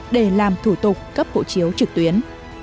để làm thủ tục cấp hộ chiếu trực tuyến